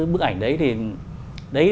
bức ảnh đấy